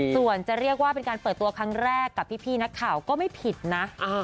ส่วนจะเรียกว่าเป็นการเปิดตัวครั้งแรกกับพี่นักข่าวก็ไม่ผิดนะ